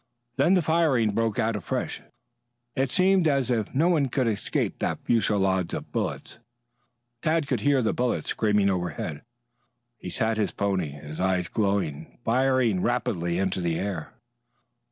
Then the firing broke out afresh. It seemed as if no one could escape that fusillade of bullets. Tad could hear the bullets screaming overhead. He sat his pony, his eyes glowing, firing rapidly into the air.